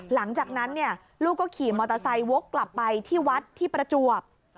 หลังจากนั้นลูกก็ขี่มอเตอร์ไซค์วกกลับไปที่วัดที่ประจวบ